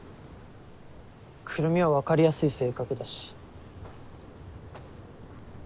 くるみは分かりやすい性格だし。